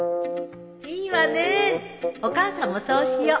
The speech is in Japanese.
いいわねお母さんもそうしよう。